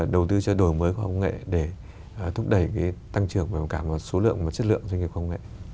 đầu tư cho đổi mới khoa công nghệ để thúc đẩy tăng trưởng vào cả một số lượng và chất lượng doanh nghiệp khoa công nghệ